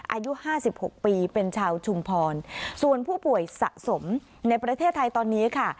อายุห้าสิบหกปีเป็นชาวชุมพรส่วนผู้ป่วยสะสมในประเทศไทยตอนนี้ค่ะ